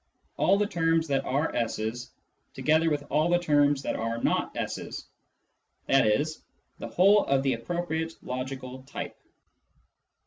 all the terms that are S's, together with all the terms that are not S's — i.e. the whole of the appropriate logical " type."